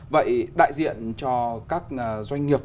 vậy đại diện cho các doanh nghiệp